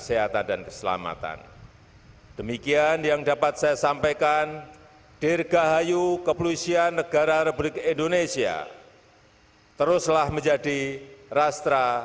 penghormatan kepada panji panji kepolisian negara republik indonesia tri brata